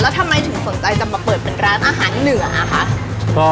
แล้วทำไมถึงสนใจจะมาเปิดเป็นร้านอาหารเหนืออะคะ